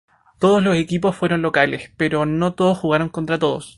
Todos los equipos fueron locales, pero no todos jugaron contra todos.